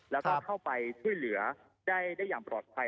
แล้วก็เข้าไปช่วยเหลือได้อย่างปลอดภัย